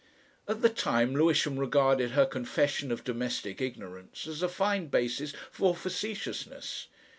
At the time Lewisham regarded her confession of domestic ignorance as a fine basis for facetiousness.